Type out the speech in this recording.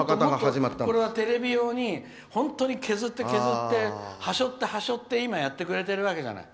もっとテレビ用に本当に削って削ってはしょってはしょって今、やってくれてるわけじゃない。